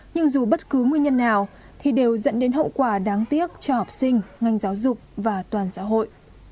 nhưng dù bất cứ nguyên nhân nào thì đều dẫn đến hậu quả đáng tiếc cho học sinh ngành giáo dục và toàn xã hội